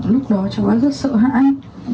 lúc đó cháu đã rất sợ hãi